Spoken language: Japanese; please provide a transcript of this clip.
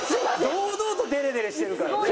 堂々とデレデレしてるからね。